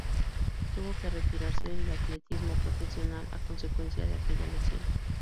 Tuvo que retirarse del atletismo profesional, a consecuencia de aquella lesión.